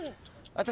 私。